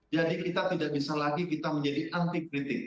jadi kita tidak bisa lagi kita menjadi anti kritik